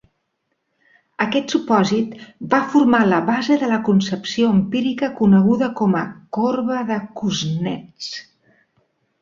Aquest supòsit va formar la base de la concepció empírica coneguda com a "corba de Kuznets".